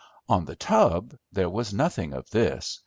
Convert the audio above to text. On The Tub there was nothing of this.